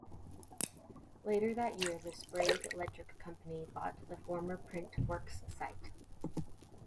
Later that year, the Sprague Electric Company bought the former print works site.